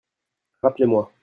Rappelez-moi.